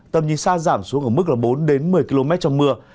tầm nhìn xa giảm xuống ở mức là bốn đến một mươi km trong mưa